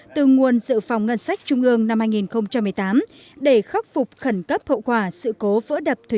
từ nguồn dự phòng ngân sách trung ương năm hai nghìn một mươi tám để khắc phục khẩn cấp hậu quả sự cố vỡ đập thủy